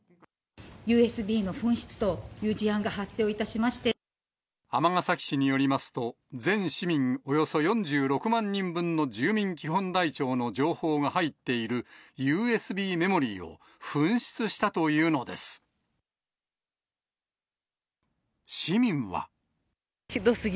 ＵＳＢの紛失という事案が発尼崎市によりますと、全市民およそ４６万人分の住民基本台帳の情報が入っているＵＳＢメモリーを紛失したというのです。